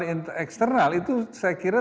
dan eksternal itu saya kira